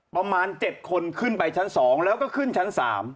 ประมาณ๗คนขึ้นไปชั้น๒แล้วก็ขึ้นชั้น๓